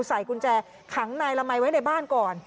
ใส่กุญแจขังนายละมัยไว้ในบ้านก่อน